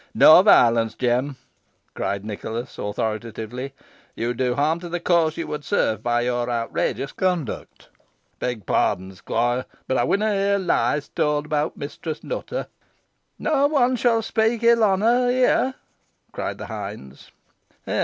"No violence, Jem," cried Nicholas, authoritatively "you do harm to the cause you would serve by your outrageous conduct." "Beg pardon, squoire," replied Jem, "boh ey winna hear lies towd abowt Mistress Nutter." "No one shan speak ill on her here," cried the hinds.